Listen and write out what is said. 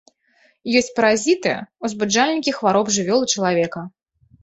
Ёсць паразіты, узбуджальнікі хвароб жывёл і чалавека.